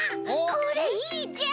これいいじゃん！